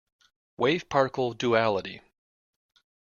Wave-particle duality.